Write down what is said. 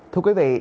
thưa quý vị